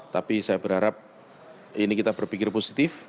tapi saya berharap ini kita berpikir positif